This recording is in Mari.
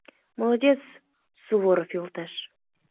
— Молодец, Суворов йолташ!